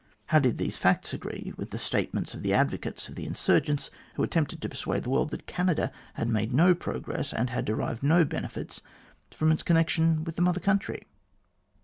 How did these facts agree with the statements of the advocates of the insurgents, who attempted to persuade the world that Canada had made no progress, and had derived no benefits from its connection with the Mother Country